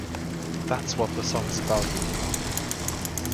That's what the song is about really.